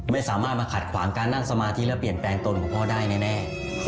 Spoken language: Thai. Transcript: ไม่สามารถมาขัดขวางการนั่งสมาธิและเปลี่ยนแปลงตนของพ่อได้แน่